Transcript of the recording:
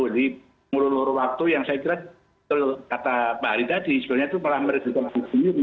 jadi mulur mulur waktu yang saya kira itu kata pak ari tadi sebenarnya itu malah meresiko di sini